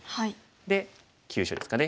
で急所ですかね。